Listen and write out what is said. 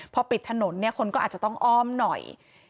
พอปิดถนนเนี่ยคนก็อาจจะต้องอ้อมหน่อย